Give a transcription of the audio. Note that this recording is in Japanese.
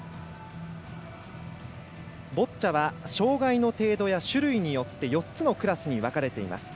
ボッチャは障がいの程度や種類によって４つのクラスに分かれています。